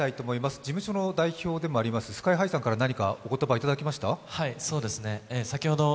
事務所の代表でもあるＳＫＹ−ＨＩさんから何か言葉をいただきましたか？